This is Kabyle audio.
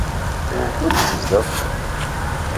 Wukud tezdeɣ?